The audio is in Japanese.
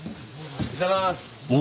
おはようございます。